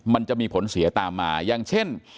มันจะมีผลเสียตามมาอย่างเช่น